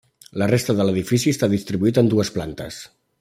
La resta de l'edifici està distribuït en dues plantes.